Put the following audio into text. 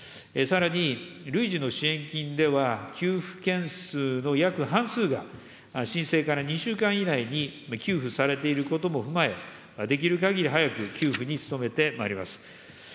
さらに、類似の支援金では、給付件数の約半数が、申請から２週間以内に給付されていることも踏まえ、できるかぎり早く給付に努めてまいります。